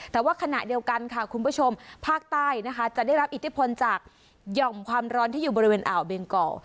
แต่ว่าขณะเดียวกันค่ะคุณผู้ชมภาคใต้นะคะจะได้รับอิทธิพลจากหย่อมความร้อนที่อยู่บริเวณอ่าวเบงกอ